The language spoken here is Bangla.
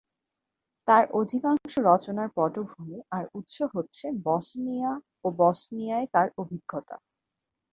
তার অধিকাংশ রচনার পটভূমি আর উৎস হচ্ছে বসনিয়া ও বসনিয়ায় তার অভিজ্ঞতা।